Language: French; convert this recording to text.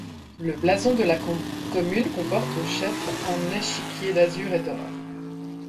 Le blason de la commune comporte au chef un échiquier d'azur et d'or.